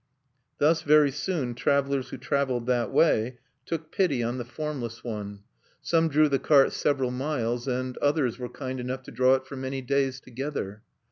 Thus very soon travelers who traveled that way took pity on the formless one: some drew the cart several miles, and, others were kind enough to draw it for many days together.